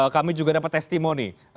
kami juga dapat testimoni